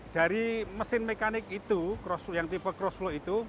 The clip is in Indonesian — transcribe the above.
dari mesin mekanik itu yang tipe cross flow itu